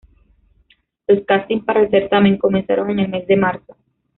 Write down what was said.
Los castings para el certamen comenzaron en el mes de marzo.